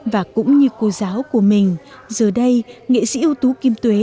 và cũng như cô giáo của mình giờ đây nghệ sĩ ưu tú kim tuế